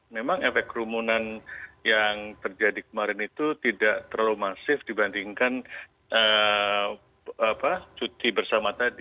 memang efek kerumunan yang terjadi kemarin itu tidak terlalu masif dibandingkan cuti bersama tadi